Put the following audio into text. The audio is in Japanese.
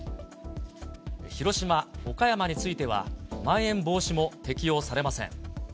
広島、岡山については、まん延防止も適用されません。